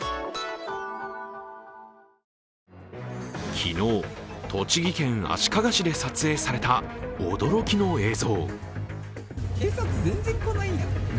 昨日、栃木県足利市で撮影された驚きの映像。